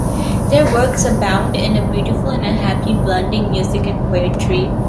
Their works abound in a beautiful and happy blending of music and poetry.